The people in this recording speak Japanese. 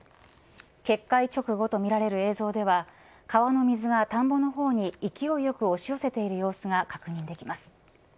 決壊直後となる映像では川の水が田んぼの方に勢いよく押し寄せている様子が確認できます。